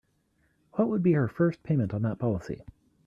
What would be her first payment on that policy?